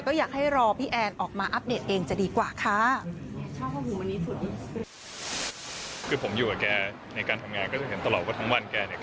ก็อยากให้รอพี่แอนออกมาอัปเดตเองจะดีกว่าค่ะ